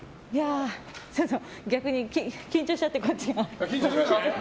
逆に緊張しちゃって、こっちが。